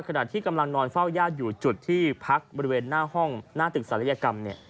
ขณะที่กำลังนอนเฝ้าญาติอยู่จุดที่พักบริเวณหน้าห้องหน้าตึกศัลยกรรมเนี่ย